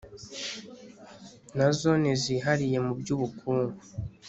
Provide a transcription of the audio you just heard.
na zone zihariye mu by ubukungu